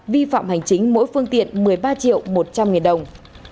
vi phạm hành chính mỗi phương tiện một mươi ba triệu một trăm linh nghìn đồng